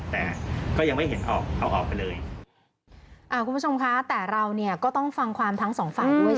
แต่ก็ยังไม่เห็นออกเอาออกไปเลยอ่าคุณผู้ชมคะแต่เราเนี่ยก็ต้องฟังความทั้งสองฝ่ายด้วย